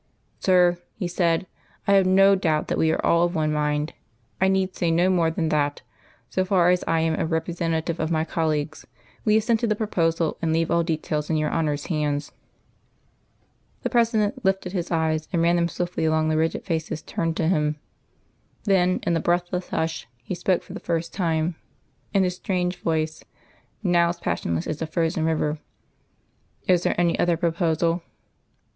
"Sir," he said, "I have no doubt that we are all of one mind. I need say no more than that, so far as I am a representative of my colleagues, we assent to the proposal, and leave all details in your Honour's hands." The President lifted his eyes, and ran them swiftly along the rigid faces turned to him. Then, in the breathless hush, he spoke for the first time in his strange voice, now as passionless as a frozen river. "Is there any other proposal?"